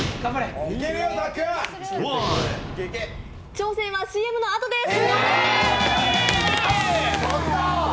挑戦はＣＭのあとです！